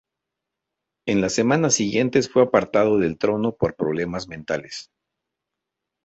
En las semanas siguientes fue apartado del trono por problemas mentales.